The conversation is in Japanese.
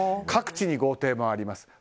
各地に豪邸もあります。